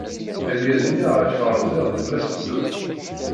Argaz-nni ayɣef rziɣ d Mass Doi.